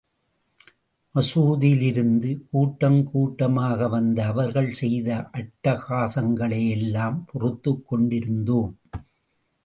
மசூதியிலிருந்து கூட்டங் கூட்டமாக வந்த அவர்கள் செய்த அட்டகாசங்களையெல்லாம் பொறுத்துக் கொண்டிருந்தோம்.